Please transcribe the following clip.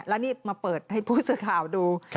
แล้วนี่มาเปิดให้ผู้สื่อข่าวดู